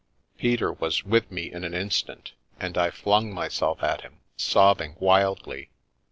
Peter was with me in an instant, and I flung myself at him, sobbing wildly.